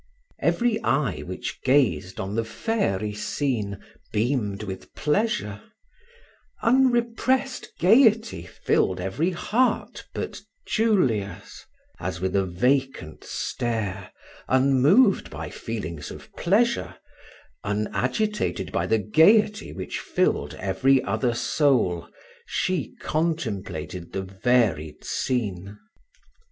Every eye which gazed on the fairy scene beamed with pleasure; unrepressed gaiety filled every heart but Julia's, as with a vacant stare, unmoved by feelings of pleasure, unagitated by the gaiety which filled every other soul, she contemplated the varied scene.